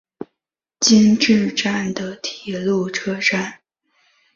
今治站的铁路车站。